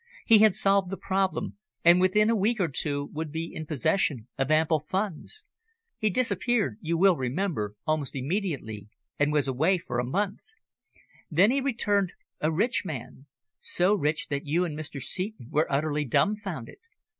He had solved the problem, and within a week or two would be in possession of ample funds. He disappeared, you will remember, almost immediately, and was away for a month. Then he returned a rich man so rich that you and Mr. Seton were utterly dumbfounded.